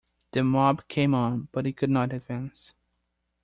The mob came on, but it could not advance.